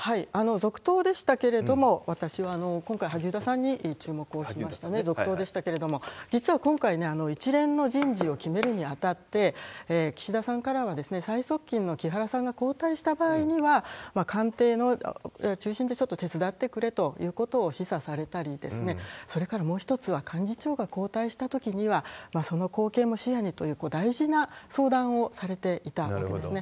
続投でしたけれども、私は今回、萩生田さんに注目をしましたね、続投でしたけれども、実は今回、一連の人事を決めるにあたって、岸田さんからは、最側近の木原さんが交代した場合には、官邸の中心でちょっと手伝ってくれということを示唆されたり、それからもう一つは、幹事長が交代したときには、その後継も視野にという、大事な相談をされていたわけなんですね。